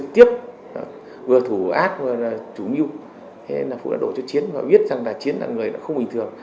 tiếp vừa thủ ác vừa là chủ mưu thế là phú đã đổi cho chiến và biết rằng là chiến là người là không bình thường